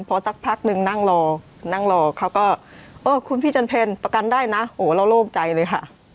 พอสักพักนึงนั่งรอนั่งรอเขาก็เออคุณพี่จันเพลประกันได้นะโหเราโล่งใจเลยค่ะ